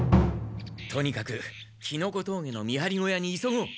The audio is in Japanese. とにかくキノコ峠の見張り小屋に急ごう。